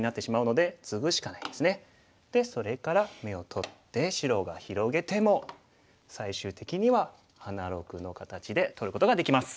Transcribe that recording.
でそれから眼を取って白が広げても最終的には花六の形で取ることができます。